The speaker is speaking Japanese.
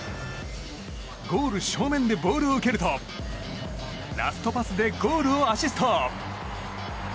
ゴール正面でボールを受けるとラストパスでゴールをアシスト。